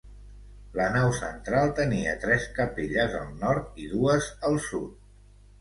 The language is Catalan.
La nau central tenia tres capelles al nord i dues al sud.